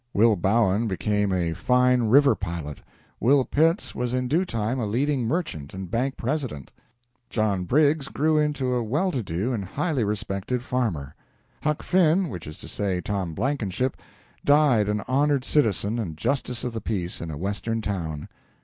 Will Bowen became a fine river pilot. Will Pitts was in due time a leading merchant and bank president. John Briggs grew into a well to do and highly respected farmer. Huck Finn which is to say, Tom Blankenship died an honored citizen and justice of the peace in a Western town.